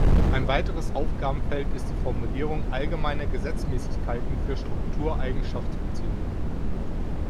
Ein weiteres Aufgabenfeld ist die Formulierung allgemeiner Gesetzmäßigkeiten für Struktur-Eigenschafts-Beziehungen.